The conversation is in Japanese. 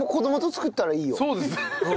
そうですね。